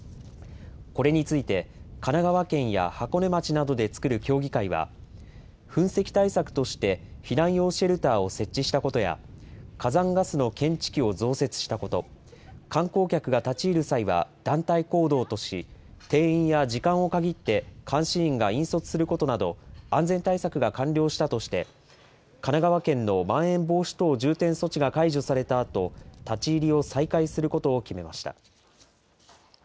これについて、神奈川県や箱根町などで作る協議会は、噴石対策として、避難用シェルターを設置したことや、火山ガスの検知器を増設したこと、観光客が立ち入る際は団体行動とし、定員や時間を限って監視員が引率することなど、安全対策が完了したとして、神奈川県のまん延防止等重点措置が解除されたあと、立ち入りを再開することを決めました。